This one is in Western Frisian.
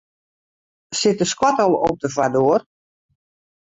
Sit de skoattel op de foardoar?